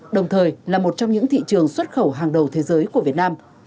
đồng thời là một trong những thị trường xuất khẩu hàng đầu thế giới của việt nam